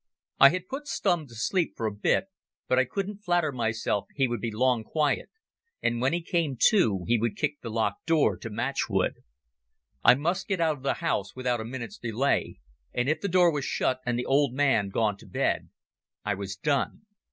I had put Stumm to sleep for a bit, but I couldn't flatter myself he would long be quiet, and when he came to he would kick the locked door to matchwood. I must get out of the house without a minute's delay, and if the door was shut and the old man gone to bed I was done.